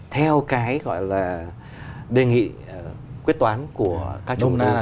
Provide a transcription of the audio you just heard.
theo cái gọi là đề nghị quyết toán của các chủ nghĩa